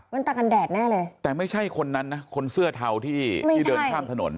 ตากันแดดแน่เลยแต่ไม่ใช่คนนั้นนะคนเสื้อเทาที่ที่เดินข้ามถนน